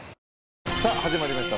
さあ始まりました